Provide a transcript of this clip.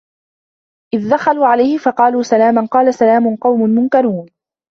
إِذ دَخَلوا عَلَيهِ فَقالوا سَلامًا قالَ سَلامٌ قَومٌ مُنكَرونَ